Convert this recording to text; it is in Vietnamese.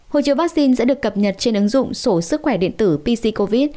hộ chiếu vaccine sẽ được cập nhật trên ứng dụng sổ sức khỏe điện tử pc covid